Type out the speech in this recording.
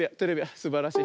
すばらしい。